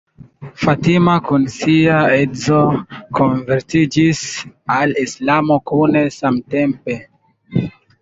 Fatima kun sia edzo konvertiĝis al Islamo kune samtempe.